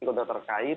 ini sudah terkait